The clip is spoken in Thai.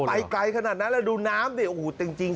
ไปไกลขนาดนั้นแล้วดูน้ำจริง